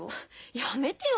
やめてよ